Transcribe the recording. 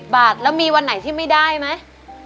บาทแล้วมีวันไหนที่ไม่ได้ไหม